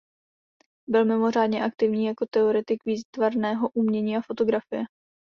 Byl mimořádně aktivní jako teoretik výtvarného umění a fotografie.